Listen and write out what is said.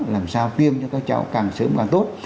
làm sao tiêm cho các cháu càng sớm càng tốt